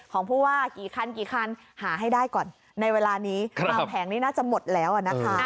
ของผู้ว่ากี่คันกี่คันหาให้ได้ก่อนในเวลานี้ตามแผงนี้น่าจะหมดแล้วนะคะ